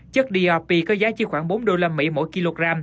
chất drp có giá chỉ khoảng bốn usd mỗi kg